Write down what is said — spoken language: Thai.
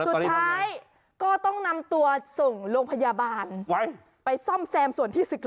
สุดท้ายก็ต้องนำตัวส่งโรงพยาบาลไปซ่อมแซมส่วนที่ศึกห